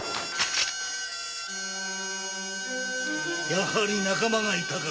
やはり仲間がいたか。